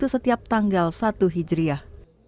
saya berada di pabrik pembuatan